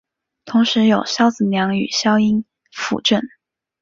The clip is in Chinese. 同时由萧子良与萧鸾辅政。